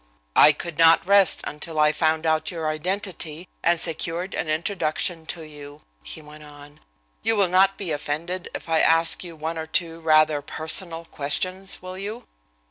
"I could not rest until I found out your identity, and secured an introduction to you," he went on. "You will not be offended if I ask you one or two rather personal questions, will you?"